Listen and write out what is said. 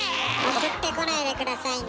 送ってこないで下さいね。